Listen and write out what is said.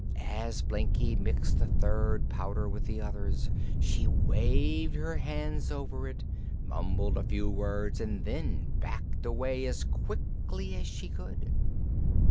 As Blinkie mixed the third powder with the others she waved her hands over it, mumbled a few words, and then backed away as quickly as she could.